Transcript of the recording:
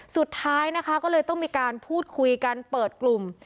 สุดท้ายนะคะก็เลยต้องมีการพูดคุยกันเปิดกลุ่ม